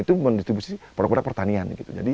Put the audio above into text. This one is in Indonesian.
itu distribusi produk produk pertanian